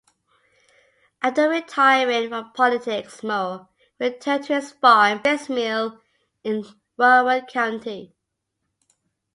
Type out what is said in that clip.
After retiring from politics, Morrow returned to his farm and gristmill in Warren County.